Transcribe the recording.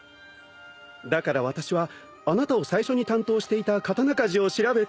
だから私はあなたを最初に担当していた刀鍛冶を調べて。